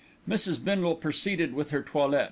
Mrs. Bindle proceeded with her toilet.